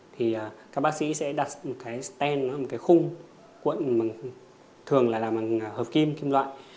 thì các bác sĩ sẽ đặt một cái stent ở một cái khung cuộn thường là làm bằng hợp kim kim loại